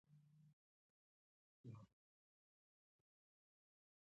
تا یې هم وروبخښلم نو اجازه راکړه.